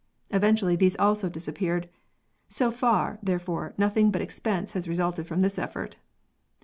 Eventually these also disappeared. So far, therefore, nothing but expense has resulted from this effort.